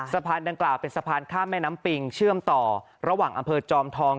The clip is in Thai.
สะพานดังกล่าวเป็นสะพานข้ามแม่น้ำปิงเชื่อมต่อระหว่างอำเภอจอมทอง